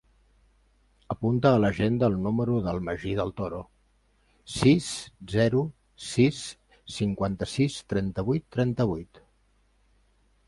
Apunta a l'agenda el número del Magí Del Toro: sis, zero, sis, cinquanta-sis, trenta-vuit, trenta-vuit.